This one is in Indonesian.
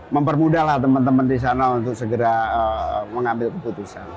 mempermudahlah teman teman disana untuk segera mengambil keputusan